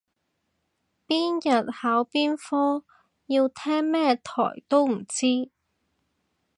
邊日考邊科要聽咩台都唔知